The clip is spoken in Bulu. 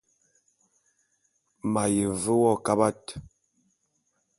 M’aye ve wo kabat.